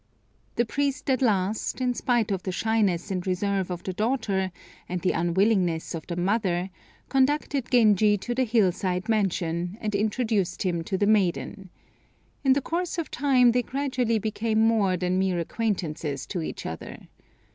The priest at last, in spite of the shyness and reserve of the daughter, and the unwillingness of the mother, conducted Genji to the hill side mansion, and introduced him to the maiden. In the course of time they gradually became more than mere acquaintances to each other.